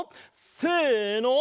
せの！